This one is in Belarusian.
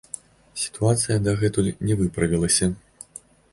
Сітуацыя дагэтуль не выправілася.